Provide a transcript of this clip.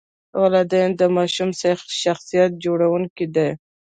والدین د ماشوم شخصیت جوړونکي دي.